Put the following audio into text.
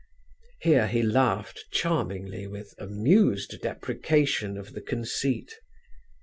'" Here he laughed charmingly with amused deprecation of the conceit.